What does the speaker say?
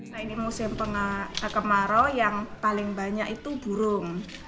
nah ini musim kemarau yang paling banyak itu burung